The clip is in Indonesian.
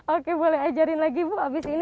oke boleh ajarin lagi bu abis ini